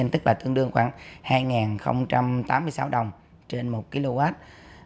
tức là tương đương khoảng hai tám mươi sáu đồng trên một kw